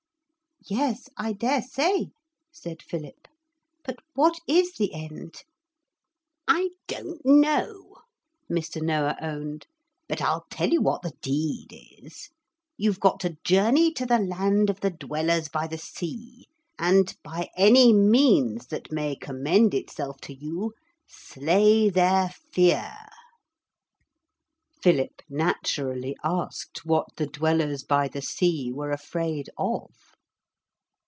'Yes, I daresay,' said Philip; 'but what is the end?' 'I don't know,' Mr. Noah owned, 'but I'll tell you what the deed is. You've got to journey to the land of the Dwellers by the Sea and, by any means that may commend itself to you, slay their fear.' Philip naturally asked what the Dwellers by the Sea were afraid of.